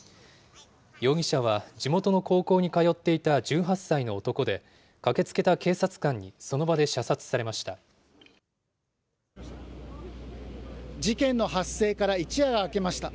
容疑者は地元の高校に通っていた１８歳の男で、駆けつけた警察官事件の発生から一夜が明けました。